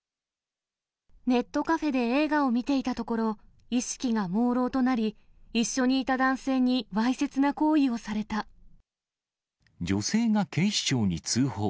ネットカフェで映画を見ていたところ、意識がもうろうとなり、一緒にいた男性に、わいせつな行女性が警視庁に通報。